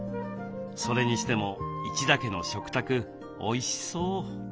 それにしても一田家の食卓おいしそう。